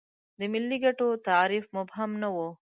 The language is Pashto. د ملي ګټو تعریف مبهم نه و.